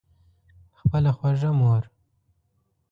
خپله خوږه مور